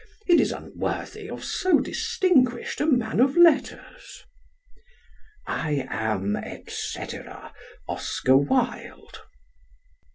It is unworthy of so distinguished a man of letters. I am, etc., OSCAR WILDE.